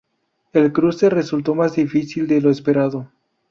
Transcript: El cruce resultó más difícil de lo esperado.